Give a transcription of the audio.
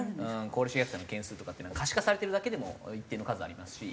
高齢者虐待の件数とかって可視化されてるだけでも一定の数ありますし。